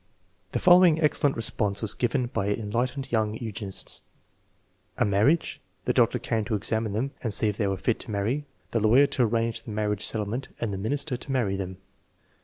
The following excellent response was given by an enlightened young eugenist: "A marriage; the doctor came to examine them and see if they were fit to marry, the lawyer to arrange the mar riage settlement, and the minister to marry them."